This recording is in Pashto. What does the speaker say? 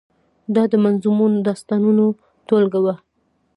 دا د منظومو داستانو ټولګه وه.